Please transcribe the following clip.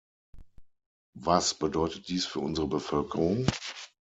Was bedeutet dies für unsere Bevölkerung?